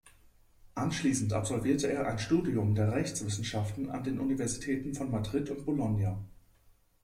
Anschließend absolvierte er ein Studium der Rechtswissenschaften an den Universitäten von Madrid und Bologna.